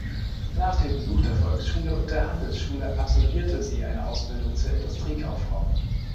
Nach dem Besuch der Volksschule und der Handelsschule absolvierte sie eine Ausbildung zur Industriekauffrau.